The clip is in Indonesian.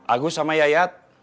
agus sama yayat